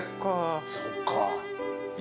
そっか。